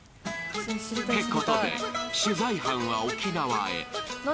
ってことで、取材班は沖縄へ。